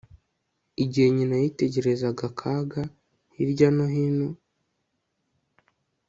igihe nyina yitegerezaga akaga, hirya no hino